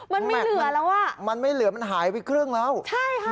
มันไม่เหลือแล้วอ่ะมันไม่เหลือมันหายไปครึ่งแล้วใช่ค่ะ